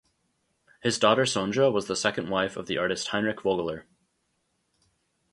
His daughter Sonja was the second wife of the artist Heinrich Vogeler.